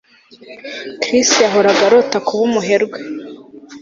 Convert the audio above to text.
Chris yahoraga arota kuba umuherwe